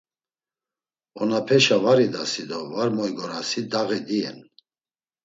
Onapeşa var idasi do var moygorasi daği diyen.